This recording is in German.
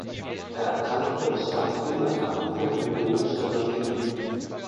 Er erkrankte und starb früh an Akuter myeloischen Leukämie.